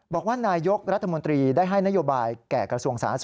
บอกว่านายกรัฐมนตรีย์ได้ให้นโยบายแก่กระทรวงส